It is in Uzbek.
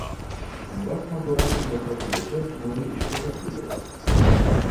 Murod Xonto‘rayevning vafoti bo‘yicha jinoiy ish qo‘zg‘atildi